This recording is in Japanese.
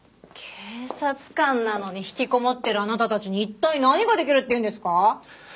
警察官なのにひきこもってるあなたたちに一体何ができるっていうんですか？